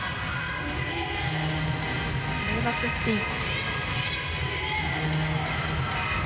レイバックスピン。